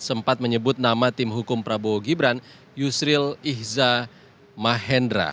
sempat menyebut nama tim hukum prabowo gibran yusril ihza mahendra